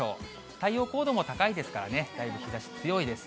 太陽高度も高いですからね、だいぶ日ざし強いです。